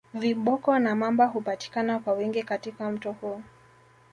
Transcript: Viboko na mamba hupatikana kwa wingi katika mto huu